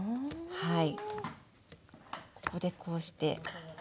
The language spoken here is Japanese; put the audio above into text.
はい。